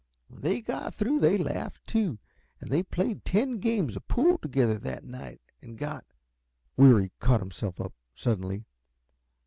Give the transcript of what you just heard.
When they got through they laughed, too, and they played ten games uh pool together that night, and got " Weary caught himself up suddenly.